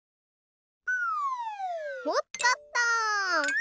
おっとっと！